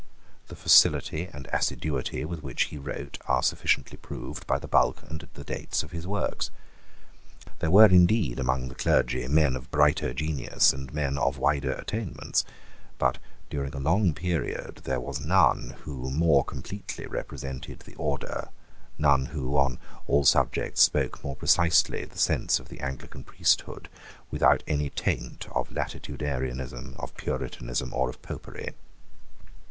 The facility and assiduity with which he wrote are sufficiently proved by the bulk and the dates of his works. There were indeed among the clergy men of brighter genius and men of wider attainments: but during a long period there was none who more completely represented the order, none who, on all subjects, spoke more precisely the sense of the Anglican priesthood, without any taint of Latitudinarianism, of Puritanism, or of Popery.